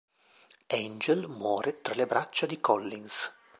Angel muore tra le braccia di Collins.